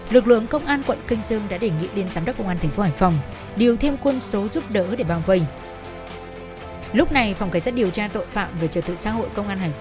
lực lượng công an thu giữ của nhóm cướp nhiều dao bình xịt hơi cay